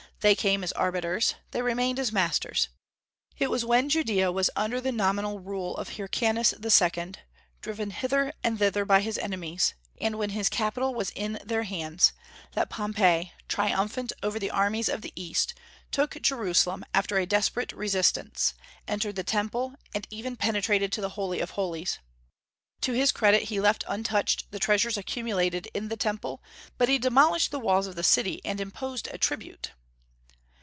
They came as arbiters; they remained as masters. It was when Judaea was under the nominal rule of Hyrcanus II., driven hither and thither by his enemies, and when his capital was in their hands, that Pompey, triumphant over the armies of the East, took Jerusalem after a desperate resistance, entered the Temple, and even penetrated to the Holy of Holies. To his credit he left untouched the treasures accumulated in the Temple, but he demolished the walls of the city and imposed a tribute.